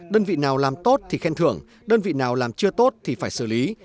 đơn vị nào làm tốt thì khen thưởng đơn vị nào làm chưa tốt thì phải xử lý